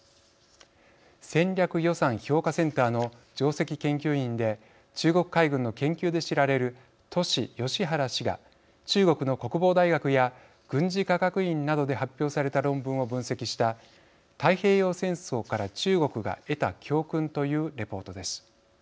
戦略予算評価センターの上席研究員で中国海軍の研究で知られるトシ・ヨシハラ氏が中国の国防大学や軍事科学院などで発表された論文を分析した太平洋戦争から中国が得た教訓というレポートです。